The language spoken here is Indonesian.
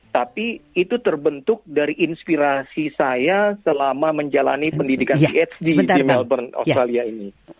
tapi itu terbentuk dari inspirasi saya selama menjalani pendidikan h di melbourne australia ini